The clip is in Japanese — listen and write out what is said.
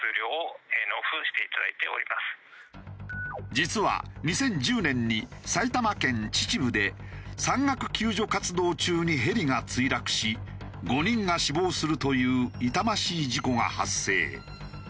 実は２０１０年に埼玉県秩父で山岳救助活動中にヘリが墜落し５人が死亡するという痛ましい事故が発生。